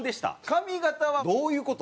髪形はどういう事？